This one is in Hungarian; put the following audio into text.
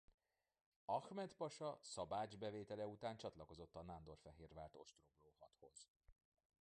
Ahmed pasa Szabács bevétele után csatlakozott a Nándorfehérvárt ostromló hadhoz.